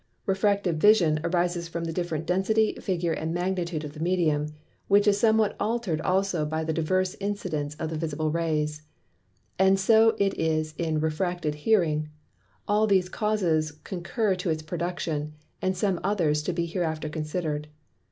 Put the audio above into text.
Refracted Vision arises from the different Density, Figure, and Magnitude of the Medium, which is somewhat alter'd also by the diverse incidence of the visible Rays. And so it is in Refracted Hearing, all these Causes concur to its Production, and some others to be hereafter consider'd.